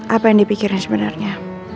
apa yang dipikirin sebenarnya